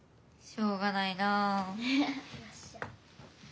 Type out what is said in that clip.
しょうがないな。